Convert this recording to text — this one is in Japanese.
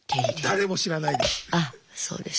「誰も知らない」です！